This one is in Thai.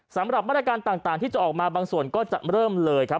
สำหรับมาตรการต่างที่จะออกมาบางส่วนก็จะเริ่มเลยครับ